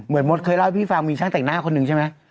มดเคยเล่าให้พี่ฟังมีช่างแต่งหน้าคนหนึ่งใช่ไหม